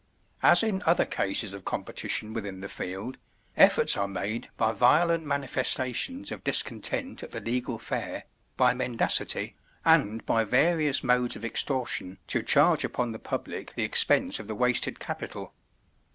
As in other cases of competition within the field, efforts are made by violent manifestations of discontent at the legal fare, by mendacity, and by various modes of extortion, to charge upon the public the expense of the wasted capital.